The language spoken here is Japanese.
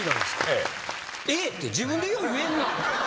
「ええ」って自分でよう言えんな。